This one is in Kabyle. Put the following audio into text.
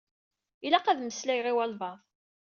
Ilaq ad meslayeɣ i walebɛaḍ.